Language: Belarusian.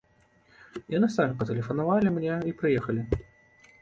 Яны самі патэлефанавалі мне і прыехалі.